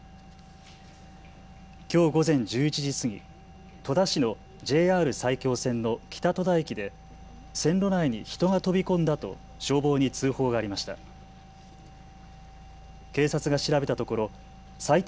きょう午前１１時過ぎ、戸田市のＪＲ埼京線の北戸田駅で線路内に人が飛び込んだと消防に通報がありました。